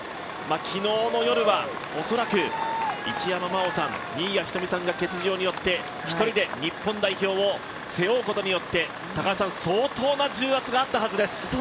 昨日の夜は恐らく、一山麻緒さん新谷仁美さんが欠場によって一人で日本代表を背負うことによって相当な重圧があったはずです。